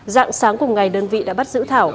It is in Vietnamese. dạng sáng cùng ngày đơn vị đã bắt giữ thảo